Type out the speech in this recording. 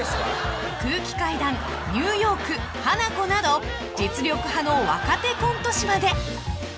［空気階段ニューヨークハナコなど実力派の若手コント師まで］